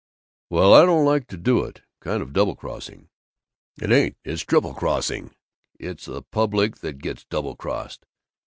"Well, I don't like to do it. Kind of double crossing." "It ain't. It's triple crossing. It's the public that gets double crossed.